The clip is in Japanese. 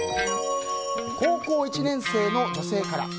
高校１年生の女性から。